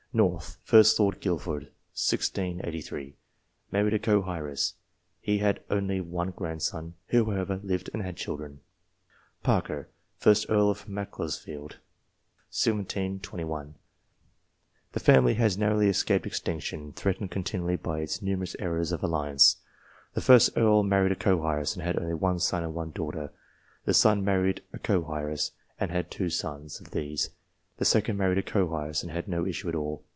North, 1st Lord Guilford (1683). Married a co heiress. He had only one grandson, who, however, lived and had chil dren. Parker, 1st Earl of Macclesfield (1721). This family has narrowly escaped extinction, threatened continually by its numerous errors of alliance. The 1st Earl married a co heiress, and had only one son and one daughter. The son married a co heiress, and had two sons ; of these, the second married a co heiress, and had no issue at all.